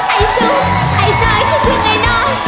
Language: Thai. ไอสุล์ไอจอยจบคุ้กไอน้อย